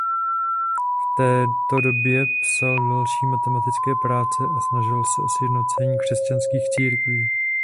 V této době psal další matematické práce a snažil se o sjednocení křesťanských církví.